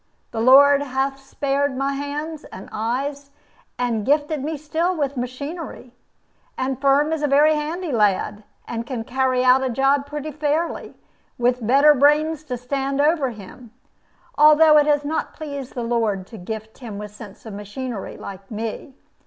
The Lord hath spared my hands and eyes, and gifted me still with machinery. And Firm is a very handy lad, and can carry out a job pretty fairly, with better brains to stand over him, although it has not pleased the Lord to gift him with sense of machinery, like me.